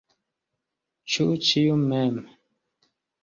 Ĉu ĉiu mem?